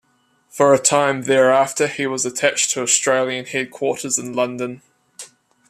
For a time thereafter he was attached to Australian Headquarters in London.